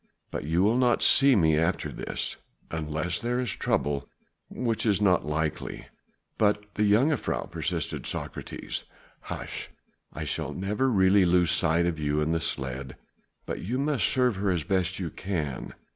But you will not see me after this ... unless there is trouble, which is not likely." "But the jongejuffrouw?" persisted Socrates. "Hush! I shall never really lose sight of you and the sledge. But you must serve her as best you can.